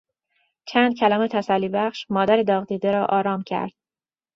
چند کلام تسلیبخش مادر داغدیده را آرام کرد.